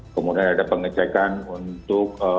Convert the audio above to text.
kemudian ada pengecekan untuk